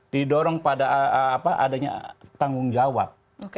didorong pada adanya tanggung jawab